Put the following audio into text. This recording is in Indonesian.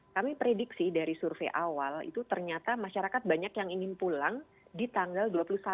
kami prediksi dari survei awal itu ternyata masyarakat banyak yang ingin pulang di tanggal dua puluh satu